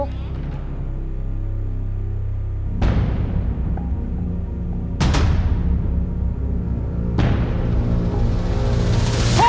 โอ้โห